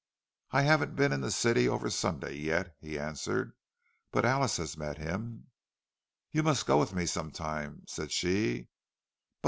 "I haven't been in the city over Sunday yet," he answered. "But Alice has met him." "You must go with me some time," said she.